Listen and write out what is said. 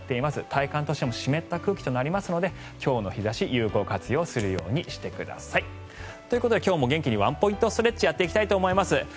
体感としても湿った空気となりますので今日の日差しを有効活用するようにしてください。ということで今日も元気にワンポイントストレッチをやっていきたいと思います。